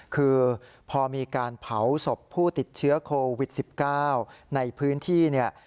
คือพอมีการเผาศพผู้ติดเชื้อโควิด๑๙ในพื้นที่เนี่ย